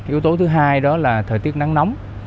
yếu tố thứ hai đó là thời tiết nắng nóng